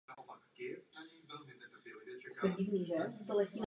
Pak pracoval jako podnikový právník na různých místech.